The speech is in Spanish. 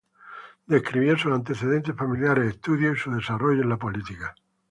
Describió sus antecedentes familiares, estudios, y su desarrollo en la política.